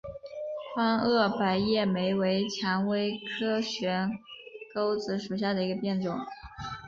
宽萼白叶莓为蔷薇科悬钩子属下的一个变种。